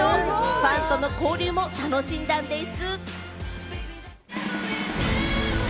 ファンとの交流も楽しんだんでぃす。